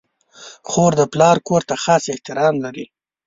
خور د پلار کور ته خاص احترام لري.